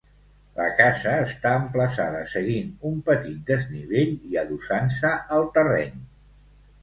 La casa està emplaçada seguint un petit desnivell i adossant-se al terreny.